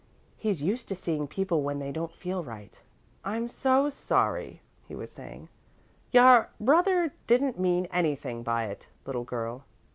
"He's used to seeing people when they don't feel right." "I'm so sorry," he was saying. "Your brother didn't mean anything by it, little girl.